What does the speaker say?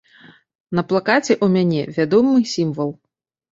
На плакаце ў мяне вядомы сімвал.